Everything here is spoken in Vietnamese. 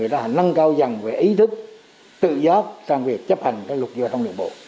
là nâng cao rằng về ý thức tự do sang việc chấp hành cái luật giao thông đường bộ